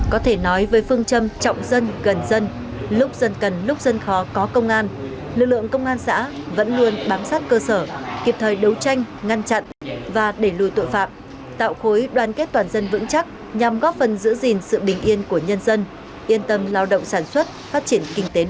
có thể nói với phương châm trọng dân gần dân lúc dân cần lúc dân khó có công an lực lượng công an xã vẫn luôn bám sát cơ sở kịp thời đấu tranh ngăn chặn và đẩy lùi tội phạm tạo khối đoàn kết toàn dân vững chắc nhằm góp phần giữ gìn sự bình yên của nhân dân yên tâm lao động sản xuất phát triển kinh tế